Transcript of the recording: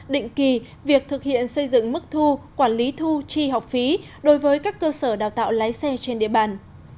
định kỳ việc thực hiện xây dựng mức thu quản lý thu chi học phí đối với các cơ sở đào tạo lái xe trên địa bàn